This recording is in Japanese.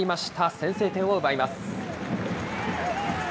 先制点を奪います。